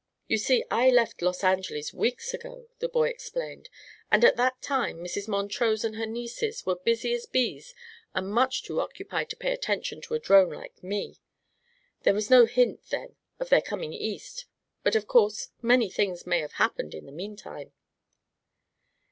"You see, I left Los Angeles weeks ago," the boy explained, "and at that time Mrs. Montrose and her nieces were busy as bees and much too occupied to pay attention to a drone like me. There was no hint then of their coming East, but of course many things may have happened in the meantime."